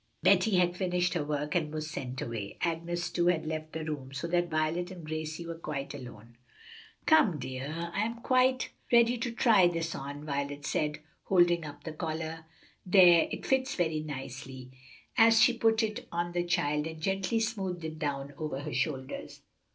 Betty had finished her work and was sent away. Agnes, too, had left the room, so that Violet and Gracie were quite alone. "Come, dear, I am quite ready to try this on." Violet said, holding up the collar. "There, it fits very nicely," as she put it on the child and gently smoothed it down over her shoulders.